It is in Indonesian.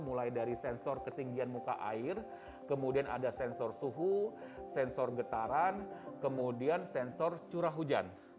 mulai dari sensor ketinggian muka air kemudian ada sensor suhu sensor getaran kemudian sensor curah hujan